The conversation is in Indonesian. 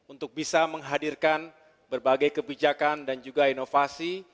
untuk bisa menghadirkan berbagai kebijakan dan juga inovasi